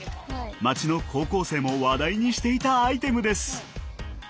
街の高校生も話題にしていたアイテムです。